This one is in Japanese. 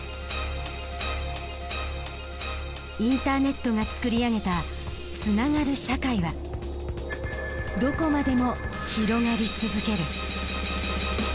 インターネットが作り上げた「つながる社会」はどこまでも広がり続ける。